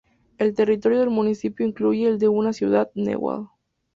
El territorio del municipio incluye el de una ciudad, Newhall.